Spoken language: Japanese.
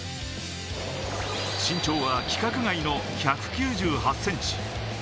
身長は規格外の１９８ｃｍ。